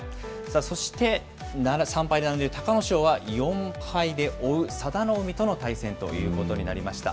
そして３敗で並んでいる隆の勝は、４敗で追う佐田の海との対戦ということになりました。